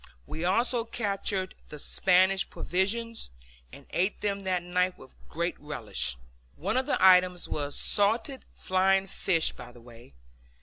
We also captured the Spanish provisions, and ate them that night with great relish. One of the items was salted flying fish, by the way.